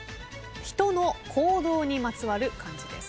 人の行動にまつわる漢字です。